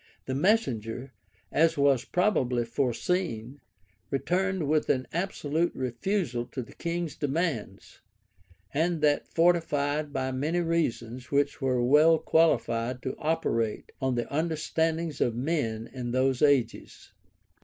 The messenger, as was probably foreseen, returned with an absolute refusal of the king's demands;[] and that fortified by many reasons which were well qualified to operate on the understandings of men in those ages.